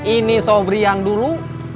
ini sobri yang dulu